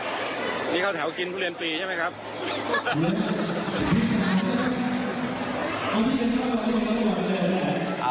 นี่เข้าแถวกินทุเรียนฟรีใช่ไหมครับ